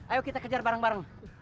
ayo kita kejar bareng bareng